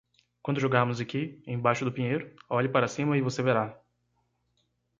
Quando jogarmos aqui embaixo do pinheiro, olhe para cima e você verá.